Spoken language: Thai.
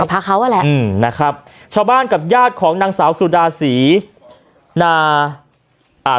พระเขาอ่ะแหละอืมนะครับชาวบ้านกับญาติของนางสาวสุดาศรีนาอ่า